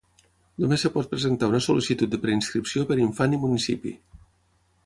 Només es pot presentar una sol·licitud de preinscripció per infant i municipi.